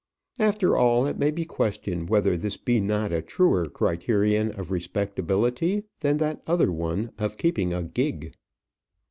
After all, it may be questioned whether this be not a truer criterion of respectability than that other one of keeping a gig.